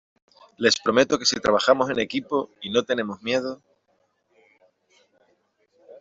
les prometo que si trabajamos en equipo y no tenemos miedo ,